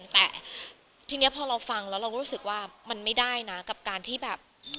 แต่ทีนี้พอเราฟังแล้วเราก็รู้สึกว่ามันไม่ได้นะกับการที่แบบ